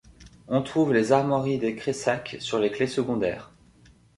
On trouve les armoiries des Crayssac sur les clefs secondaires.